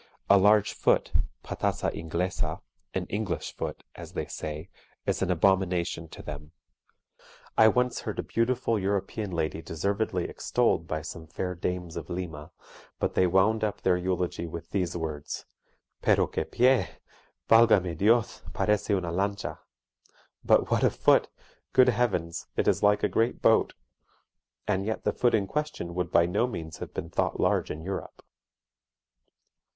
A large foot (pataza Inglesa an English foot, as they say) is an abomination to them. I once heard a beautiful European lady deservedly extolled by some fair dames of Lima, but they wound up their eulogy with these words: "Pero que pie! valgame Dio, sparece una lancha!" (but what a foot! Good heavens, it is like a great boat!) and yet the foot in question would by no means have been thought large in Europe.